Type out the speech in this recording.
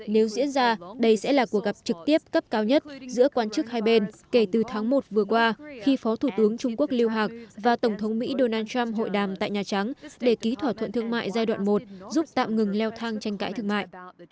nếu diễn ra đây sẽ là cuộc gặp trực tiếp cấp cao nhất giữa quan chức hai bên kể từ tháng một vừa qua khi phó thủ tướng trung quốc lưu hạc và tổng thống mỹ donald trump hội đàm tại nhà trắng để ký thỏa thuận thương mại giai đoạn một giúp tạm ngừng leo thang tranh cãi thương mại